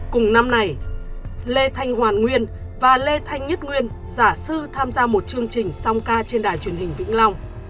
cùng năm này lê thanh hoàn nguyên và lê thanh nhất nguyên giả sư tham gia một chương trình song ca trên đài truyền hình vĩnh long